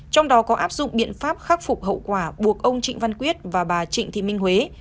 trong đó có áp dụng biện pháp khắc phục hậu quả buộc ông trịnh văn quyết và bà trịnh thị minh huế